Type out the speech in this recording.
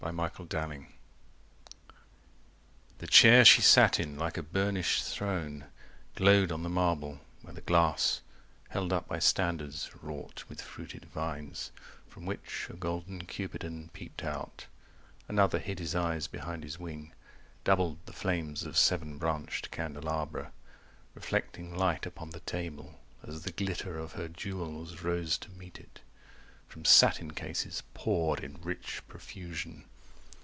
A GAME OF CHESS The Chair she sat in, like a burnished throne, Glowed on the marble, where the glass Held up by standards wrought with fruited vines From which a golden Cupidon peeped out 80 (Another hid his eyes behind his wing) Doubled the flames of sevenbranched candelabra Reflecting light upon the table as The glitter of her jewels rose to meet it, From satin cases poured in rich profusion.